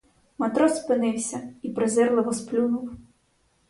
Матрос спинився і презирливо сплюнув.